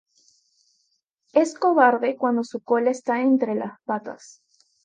Es cobarde cuando su cola está entre las patas.